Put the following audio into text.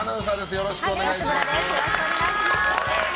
よろしくお願いします。